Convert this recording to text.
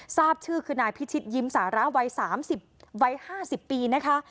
ทราบชื่อคือนายพิชิตยิ้มสาระวัย๓๐วัย๕๐ปีนะคะ